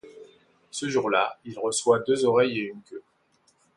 Ce jour-là il reçoit deux oreilles et une queue.